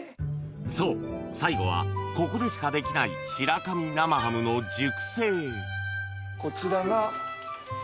そう最後はここでしかできない白神生ハムの熟成こちらが。